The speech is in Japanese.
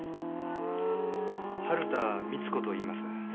春田美津子といいます。